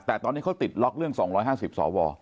แต่ตอนนี้เขาติดล็อกเรื่อง๒๕๐สว